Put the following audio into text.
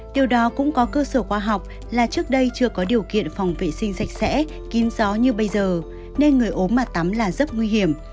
điều đó cũng có cơ sở khoa học là trước đây chưa có điều kiện phòng vệ sinh sạch sẽ kín gió như bây giờ nên người ốm mà tắm là rất nguy hiểm